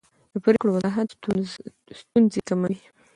د پرېکړو وضاحت ستونزې کموي